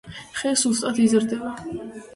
ხე სუსტად იზრდება.